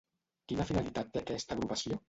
Quina finalitat té aquesta agrupació?